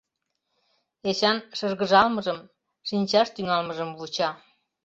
Эчан шыргыжалмыжым, шинчаш тӱҥалмыжым вуча.